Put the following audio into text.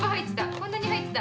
こんなにはいってた。